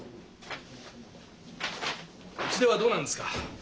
うちではどうなんですか？